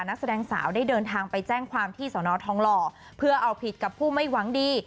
นักแสดงสาวได้เดินทางไปแจ้งความที่สอนอทองหล่อเพื่อเอาผิดกับผู้ไม่หวังดี